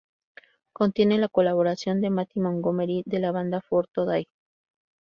Contiene la colaboración de Mattie Montgomery de la banda For Today.